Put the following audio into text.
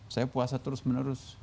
saya puasa terus menerus